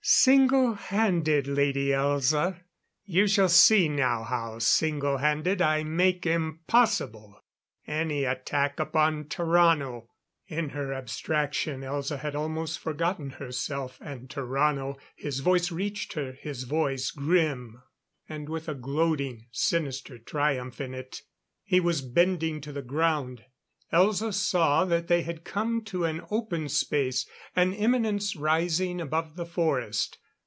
"Single handed, Lady Elza. You shall see now how, single handed, I make impossible any attack upon Tarrano." In her abstraction Elza had almost forgotten herself and Tarrano; his voice reached her his voice grim and with a gloating, sinister triumph in it. He was bending to the ground. Elza saw that they had come to an open space an eminence rising above the forest.